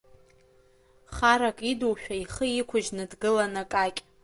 Харак идушәа, ихы иқәыжьны дгылан Акакь.